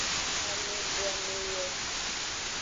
Amebuame yo.